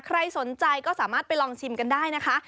ใครสนใจก็สามารถไปลองชิมกันได้นะคะ